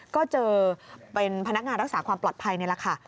ก็เจอเป็นพนักงานรักษาความปลอดภัยในราคา